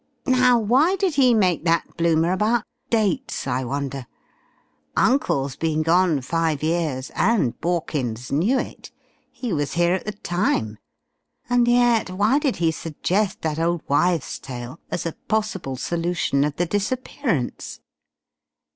"Now why did he make that bloomer about dates, I wonder? Uncle's been gone five years and Borkins knew it. He was here at the time, and yet why did he suggest that old wives' tale as a possible solution of the disappearance?